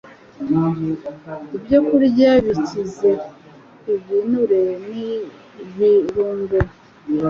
ibyokurya bikize ku binure n’ibirungo